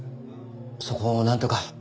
そこをなんとか。